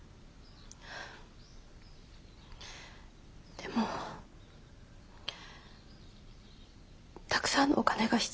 でもたくさんのお金が必要で。